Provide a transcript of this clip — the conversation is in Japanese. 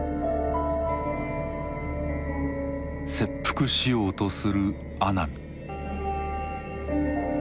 切腹しようとする阿南。